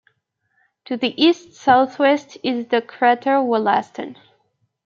To the east-southeast is the crater Wollaston.